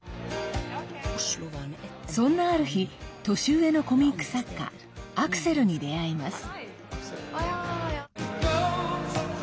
そんなある日年上のコミック作家アクセルに出会います。